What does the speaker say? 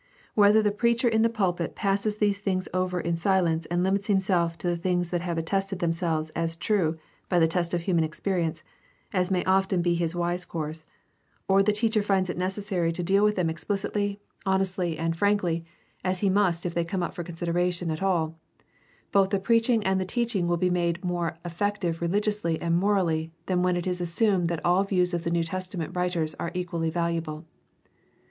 Whether the preacher in the pulpit passes these things over in silence and limits himself to the things that have attested themselves as true by the test of human experience, as may often be his wisest course, or the teacher finds it necessary to deal with THE STUDY OP^ THE NEW TESTAMENT 237 them explicitly, honestly, and frankly, as he must if they come up for consideration at all, both the preaching and the teach ing will be made more effective religiously and morally than when it is assumed that all the views of the New Testament writers are equally valuable.